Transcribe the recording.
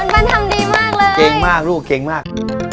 มันทำดีมากเลยเก่งมากลูกเก่งมาก